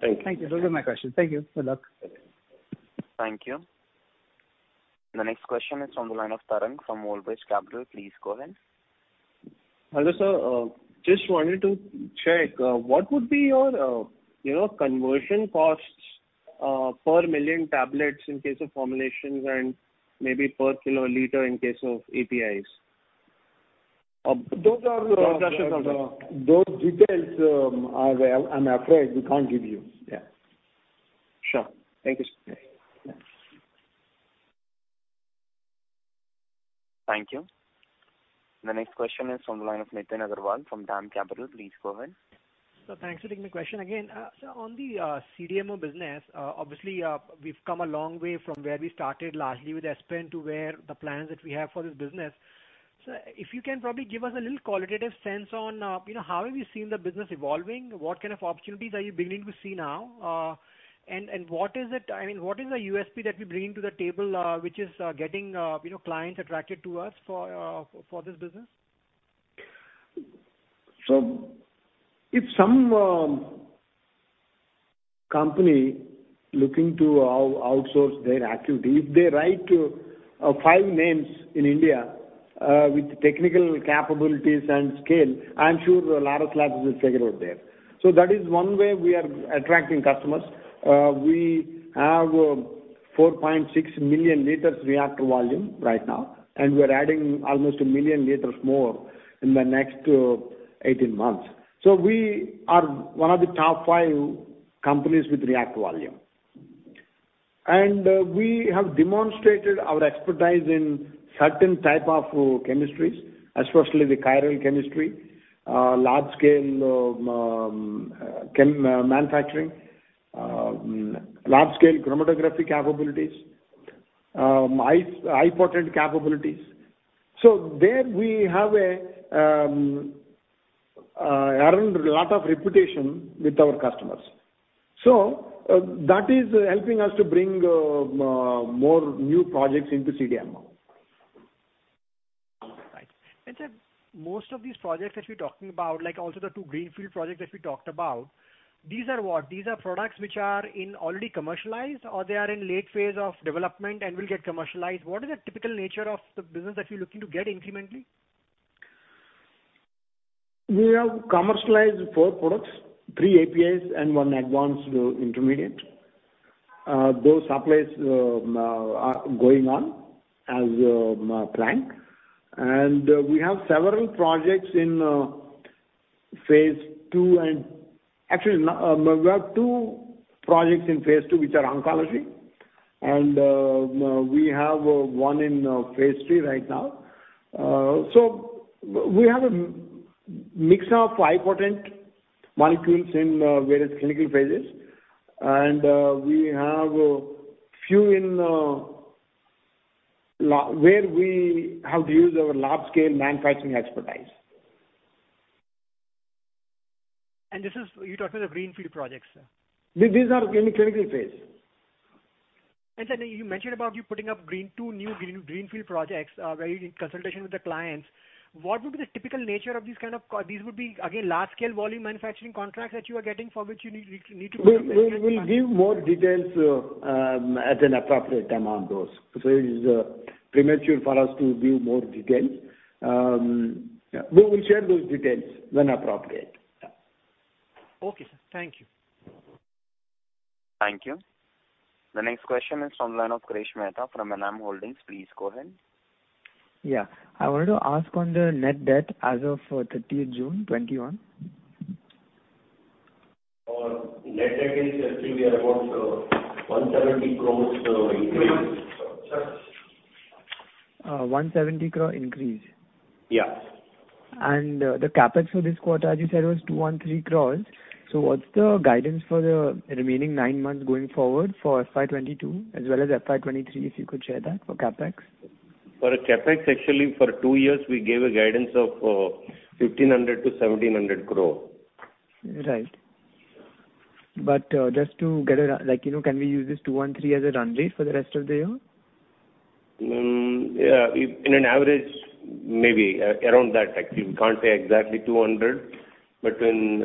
Thank you. Thank you. Those are my questions. Thank you. Good luck. Thank you. The next question is from the line of Tarang from Old Bridge Capital. Please go ahead. Hello, sir. Just wanted to check, what would be your conversion costs per million tablets in case of formulations, and maybe per kilo or liter in case of APIs? Those details, I'm afraid we can't give you. Yeah. Sure. Thank you, sir. Yeah. Thank you. The next question is from the line of Nitin Agarwal from DAM Capital. Please go ahead. Sir, thanks for taking the question again. Sir, on the CDMO business, obviously, we've come a long way from where we started largely with aspirin to where the plans that we have for this business. If you can probably give us a little qualitative sense on how have you seen the business evolving, what kind of opportunities are you beginning to see now, and what is the USP that we're bringing to the table, which is getting clients attracted to us for this business? If some company looking to outsource their activity, if they write five names in India, with technical capabilities and scale, I am sure Laurus Labs is figured out there. That is one way we are attracting customers. We have 4.6 million liters reactor volume right now, and we are adding almost 1 million liters more in the next 18 months. We are one of the top five companies with reactor volume. We have demonstrated our expertise in certain type of chemistries, especially the chiral chemistry, large scale manufacturing, large scale chromatography capabilities, highly potent capabilities. There we have earned a lot of reputation with our customers. That is helping us to bring more new projects into CDMO. Right. Sir, most of these projects that you're talking about, like also the two greenfield projects that we talked about, these are what? These are products which are already commercialized or they are in late phase of development and will get commercialized. What is the typical nature of the business that you're looking to get incrementally? We have commercialized four products, three APIs, and one advanced intermediate. Those supplies are going on as planned. We have several projects in phase II and Actually, we have two projects in phase II, which are oncology, and we have one in phase III right now. We have a mix of highly potent molecules in various clinical phases, and we have a few where we have to use our large-scale manufacturing expertise. You're talking about the greenfield projects, sir? These are in clinical phase. Sir, you mentioned about you putting up two new greenfield projects, where you're in consultation with the clients. What would be the typical nature of these? These would be again, large scale volume manufacturing contracts that you are getting for which you need to? We will give more details at an appropriate time on those. It is premature for us to give more details. We will share those details when appropriate. Yeah. Okay, sir. Thank you. Thank you. The next question is from the line of Naresh Mehta from NM Holdings. Please go ahead. Yeah. I wanted to ask on the net debt as of June 30, 2021. Our net debt is actually around INR 170 crores increase. 170 crore increase? Yeah. The CapEx for this quarter, as you said, was 213 crores. What's the guidance for the remaining 9 months going forward for FY 2022 as well as FY 2023, if you could share that for CapEx? For CapEx, actually for two years, we gave a guidance of 1,500 crore-1,700 crore. Right. Can we use this 213 as a runway for the rest of the year? In an average, maybe around that actually. We can't say exactly 200, but when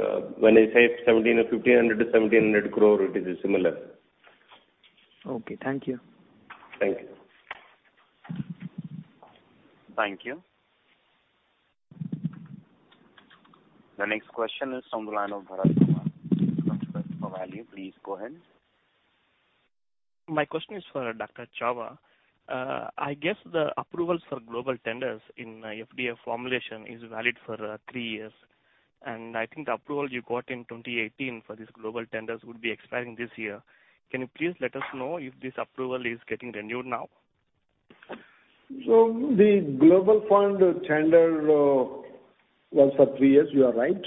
I say 1,500 crore-1,700 crore, it is similar. Okay. Thank you. Thank you. Thank you. The next question is from the line of Bharat Kumar, Kotak Value. Please go ahead. My question is for Dr. Chava. I guess the approvals for global tenders in FDA formulation is valid for three years. I think the approval you got in 2018 for these global tenders would be expiring this year. Can you please let us know if this approval is getting renewed now? The Global Fund tender was for three years, you are right.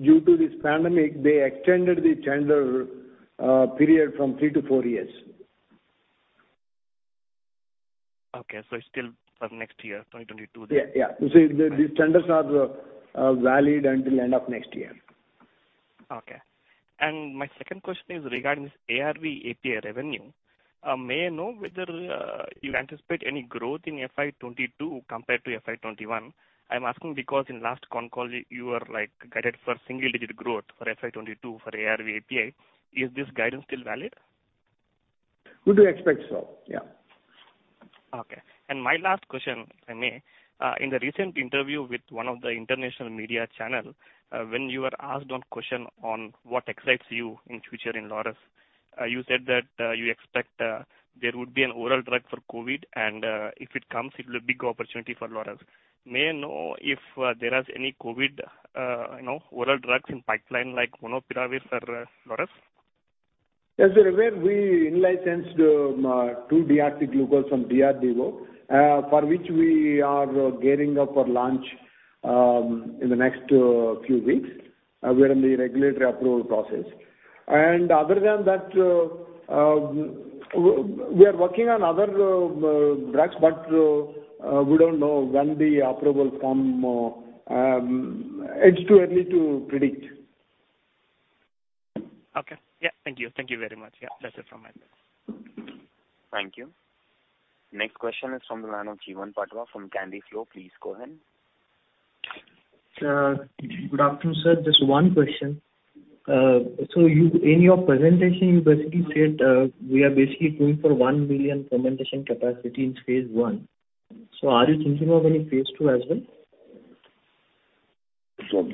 Due to this pandemic, they extended the tender period from three-four years. Okay. It's still for next year, 2022 then. Yeah. You see, these tenders are valid until end of next year. Okay. My second question is regarding this ARV API revenue. May I know whether you anticipate any growth in FY 2022 compared to FY 2021? I am asking because in last con call, you were guided for single digit growth for FY 2022 for ARV API. Is this guidance still valid? We do expect so. Yeah. Okay. My last question, if I may. In the recent interview with one of the international media channel, when you were asked one question on what excites you in future in Laurus, you said that you expect there would be an oral drug for COVID, and if it comes, it will be a big opportunity for Laurus. May I know if there is any COVID oral drugs in pipeline like molnupiravir for Laurus? As you're aware, we in-licensed 2-deoxy-D-glucose from DRDO, for which we are gearing up for launch in the next few weeks. We're in the regulatory approval process. Other than that, we are working on other drugs, but we don't know when the approvals come. It's too early to predict. Okay. Yeah. Thank you. Thank you very much. Yeah, that is it from my side. Thank you. Next question is from the line of Jeevan Patwa from Sahasrar Capital. Please go ahead. Good afternoon, sir. Just one question. In your presentation, you basically said we are going for 1 million fermentation capacity in phase I. Are you thinking of any phase II as well? Sure.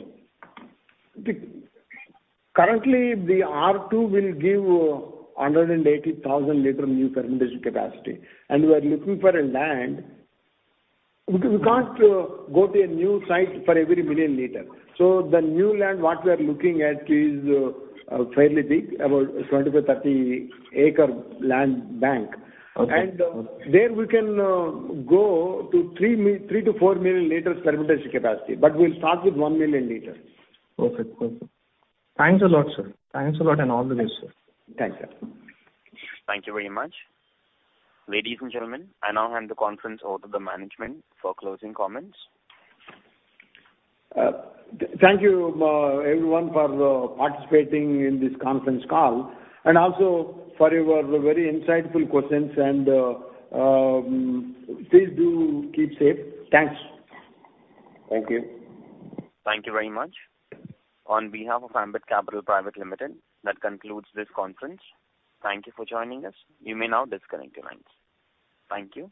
Currently, the R2 will give 180,000 liter new fermentation capacity, and we are looking for a land, because we can't go to a new site for every 1 million liter. The new land, what we are looking at is fairly big, about 20-30 acre land bank. Okay. There we can go to 3 million-4 million L fermentation capacity, but we'll start with 1 million L. Perfect. Thanks a lot, sir. Thanks a lot, and all the best, sir. Thanks, sir. Thank you very much. Ladies and gentlemen, I now hand the conference over to the management for closing comments. Thank you everyone for participating in this conference call and also for your very insightful questions, and please do keep safe. Thanks. Thank you. Thank you very much. On behalf of Ambit Capital Private Limited, that concludes this conference. Thank you for joining us. You may now disconnect your lines. Thank you.